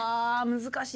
難しい。